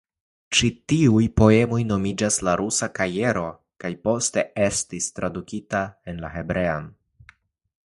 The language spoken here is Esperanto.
Ĉi tiuj poemoj nomiĝis "La rusa kajero" kaj poste estis tradukitaj en la hebrean.